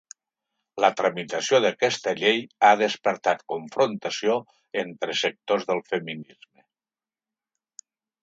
La tramitació d’aquesta llei ha despertat confrontació entre sectors del feminisme.